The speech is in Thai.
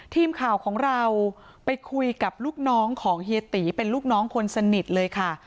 ทีมข่าวของเราไปคุยกับลูกน้องของเฮียตีเป็นลูกน้องคนสนิทเลยค่ะ